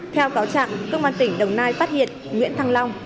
theo cáo trạng công an tỉnh đồng nai phát hiện nguyễn thăng long